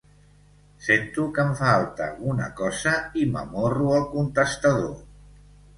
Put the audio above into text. Sento que em falta alguna cosa i m'amorro al contestador.